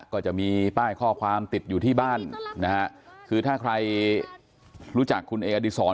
ก็จะมีป้ายข้อความติดอยู่ที่บ้านนะฮะคือถ้าใครรู้จักคุณเออดีศร